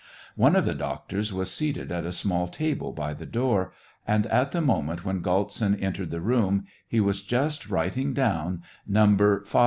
One of the doctors was seated at a small table by the door, and, at the moment when Galtsin entered the room, he was just writing down '* No.